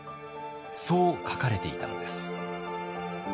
そう書かれていたのです。